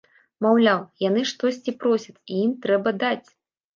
Маўляў, яны штосьці просяць, і ім трэба даць.